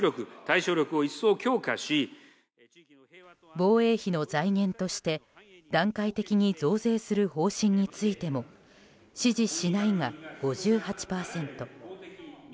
防衛費の財源として段階的に増税する方針についても支持しないが５８％。